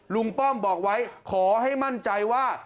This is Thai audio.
ป้อมบอกไว้ขอให้มั่นใจว่า